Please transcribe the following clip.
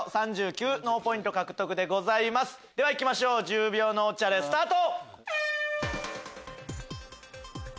ではいきましょう１０秒脳チャレスタート！